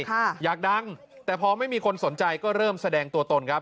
ค่ะอยากดังแต่พอไม่มีคนสนใจก็เริ่มแสดงตัวตนครับ